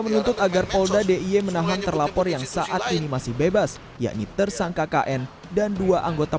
menuntut agar polda d i e menahan terlapor yang saat ini masih bebas yakni tersangka kn dan dua anggota